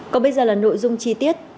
còn bây giờ là nội dung chi tiết